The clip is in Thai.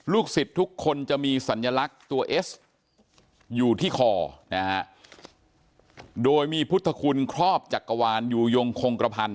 ศิษย์ทุกคนจะมีสัญลักษณ์ตัวเอสอยู่ที่คอนะฮะโดยมีพุทธคุณครอบจักรวาลอยู่ยงคงกระพันธ